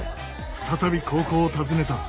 再び高校を訪ねた。